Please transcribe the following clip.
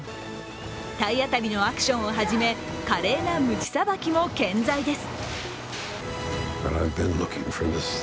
体当たりのアクションをはじめ、華麗なむちさばきも健在です。